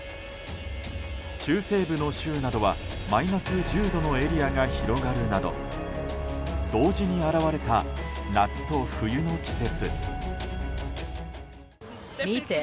中西部の州などはマイナス１０度のエリアが広がるなど同時に現れた夏と冬の季節。